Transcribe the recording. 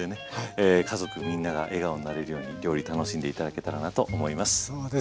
家族みんなが笑顔になれるように料理楽しんで頂けたらなと思います。